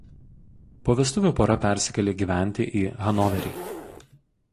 Po vestuvių pora persikėlė gyventi į Hanoverį.